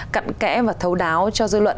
cận kẽ và thấu đáo cho dư luận